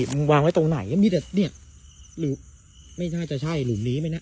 มึงวางไว้ตรงไหนมีแต่เนี้ยหรือไม่น่าจะใช่หรือนี้ไม่น่า